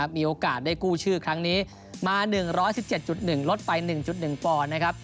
มีโอกาสได้กู้ชื่อครั้งนี้มา๑๑๗๑ลดไป๑๑ปอนด์นะครับ